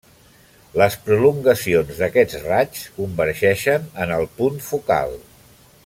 Les prolongacions d’aquests raigs convergeixen en el punt focal.